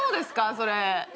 それ。